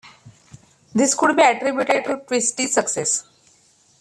This could be attributed to Twisties' success.